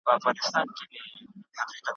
لکه وېره د لستوڼي له مارانو `